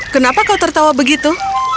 kenapa kau tertawa begitu